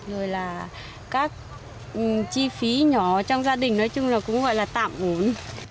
rồi là các chi phí nhỏ trong gia đình nói chung là cũng gọi là tạm ổn